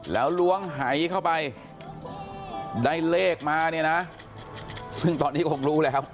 แล้วล้วงหายเข้าไปได้เลขมาเนี่ยนะซึ่งตอนนี้คงรู้แล้ว